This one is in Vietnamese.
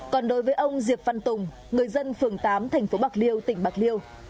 còn đối với ông diệp văn tùng người dân phường tám thành phố bạc liêu tỉnh bạc liêu